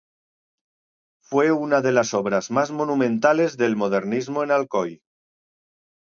Fue una de las obras más monumentales del modernismo en Alcoy.